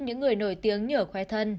những người nổi tiếng nhở khoe thân